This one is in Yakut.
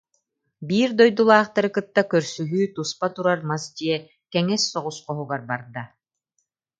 Биир дойдулаахтары кытта көрсүһүү туспа турар мас дьиэ кэҥэс соҕус хоһугар барда